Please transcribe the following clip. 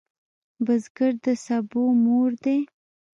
بزګر د سبو مور دی